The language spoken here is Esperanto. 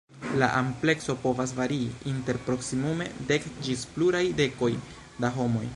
La amplekso povas varii inter proksimume dek ĝis pluraj dekoj da homoj.